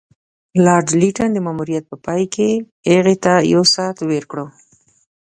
لارډ لیټن د ماموریت په پای کې هغه ته یو ساعت ورکړ.